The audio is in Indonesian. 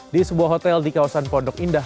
di sebuah hotel di kawasan pondok indah